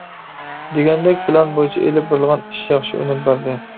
دېگەندەك، پىلان بويىچە ئېلىپ بېرىلغان ئىش ياخشى ئۈنۈم بەردى.